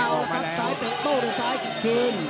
เอาละครับซ้ายเป๊ะโต๊ะไปซ้ายคืน